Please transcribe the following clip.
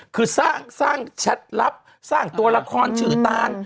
คือสร้างแชทลับสร้างตัวละครชื่อตาน